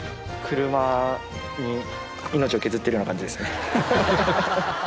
車に命を削ってるような感じですね。